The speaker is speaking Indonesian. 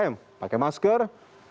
tiga m pakai masker